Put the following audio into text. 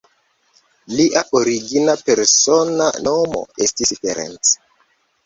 Lia origina persona nomo estis Ferenc.